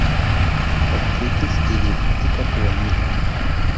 Artritis idiopática juvenil.